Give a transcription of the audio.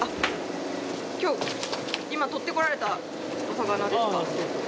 今日今獲ってこられたお魚ですか？